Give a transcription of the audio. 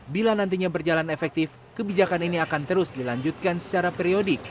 bila nantinya berjalan efektif kebijakan ini akan terus dilanjutkan secara periodik